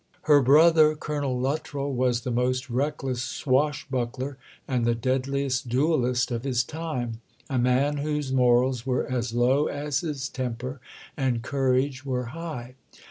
Her brother, Colonel Luttrell, was the most reckless swashbuckler and the deadliest duellist of his time a man whose morals were as low as his temper and courage were high.